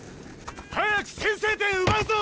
早く先制点奪うぞ！